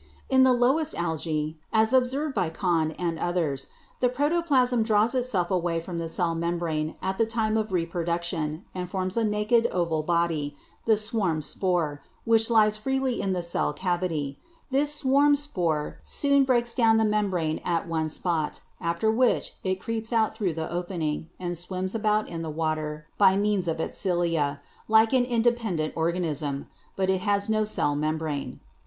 In the lowest algae, as was observed by Cohn and others, the protoplasm draws itself away from the cell membrane at the time of reproduction, and forms a naked oval body, the swarm spore, which lies freely in the cell cavity ; this swarm spore soon breaks down the membrane at one spot, after which it creeps out through the opening, and swims about in the water by means of its cilia, like an independent organism ; but it has no cell membrane.